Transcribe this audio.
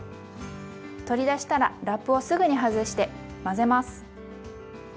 取り出したらラップをすぐに外して混ぜます。